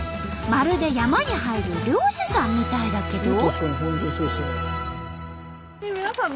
まるで山に入る猟師さんみたいだけど。